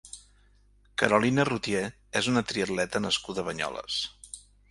Carolina Routier és una triatleta nascuda a Banyoles.